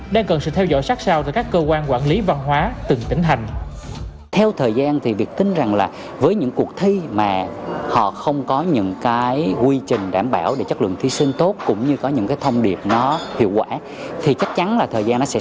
đang cần sự theo dõi sát sao từ các cơ quan quản lý văn hóa từng tỉnh hành